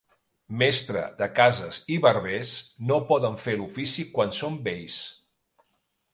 Mestre de cases i barbers no poden fer l'ofici quan són vells.